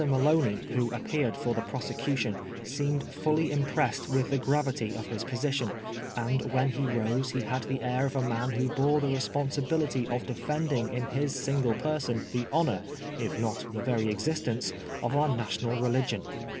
Maloney, who appeared for the prosecution, seemed fully impressed with the gravity of his position, and when he rose he had the air of a man who bore the responsibility of defending in his single person the honor, if not the very existence, of our national religion.